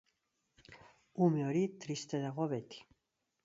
Ume hori triste dago beti